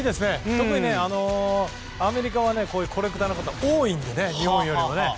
特にね、アメリカはこういうコレクターの方が多いので、日本よりも。